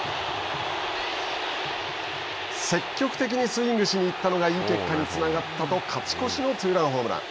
積極的にスイングしにいったのがいい結果につながったと勝ち越しのツーランホームラン。